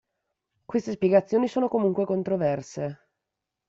Queste spiegazioni sono comunque controverse.